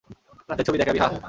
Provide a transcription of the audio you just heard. রাতের ছবি দেখাবি, হাহ?